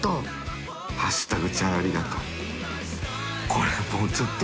これもうちょっと。